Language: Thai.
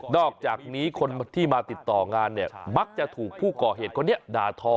อกจากนี้คนที่มาติดต่องานเนี่ยมักจะถูกผู้ก่อเหตุคนนี้ด่าทอ